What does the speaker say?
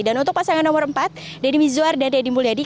dan untuk pasangan nomor empat dedy mizuar dan dedy mulyadi